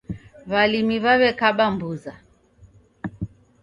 W'alimi w'aw'ekaba mbuza